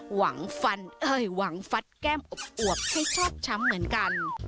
หวังฟันเอ้ยหวังฟัดแก้มอบให้ชอบช้ำเหมือนกัน